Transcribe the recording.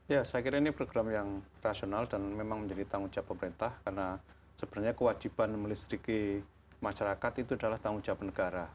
ya saya kira ini program yang rasional dan memang menjadi tanggung jawab pemerintah karena sebenarnya kewajiban melistriki masyarakat itu adalah tanggung jawab negara